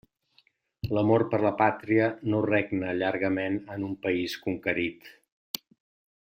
L'amor per la pàtria no regna llargament en un país conquerit.